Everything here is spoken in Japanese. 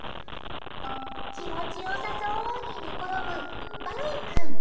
気持ちよさそうに寝転ぶバロン君。